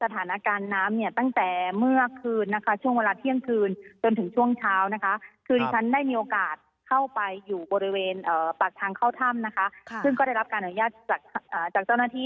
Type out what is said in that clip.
ปากทางเข้าถ้ำนะคะซึ่งก็ได้รับการอนุญาตจากเจ้าหน้าที่